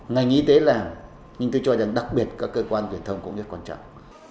ngành y tế làm nhưng tôi cho rằng đặc biệt các cơ quan truyền thông cũng rất quan trọng